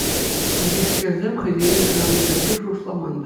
Хайхискерсем хӑйсене шырани пирки шухӑшламан та.